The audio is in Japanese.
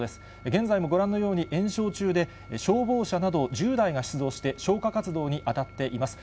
現在もご覧のように延焼中で、消防車など１０台が出動して、消火活動に当たっています。